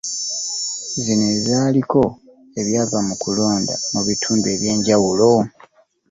Zino ezaaliko ebyava mu kulonda mu bitundu ebyenjawulo